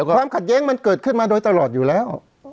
ความขัดแย้งมันเกิดขึ้นมาโดยตลอดอยู่แล้ว